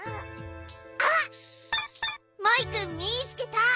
あっモイくんみつけた！